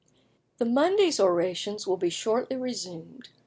"The Monday's orations will shortly be resumed.